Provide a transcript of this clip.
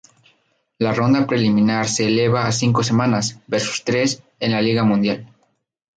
La ronda preliminar se eleva a cinco semanas, versus tres en la Liga Mundial.